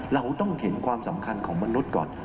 เราต้องเห็นความสำคัญของมนุษย์ก่อน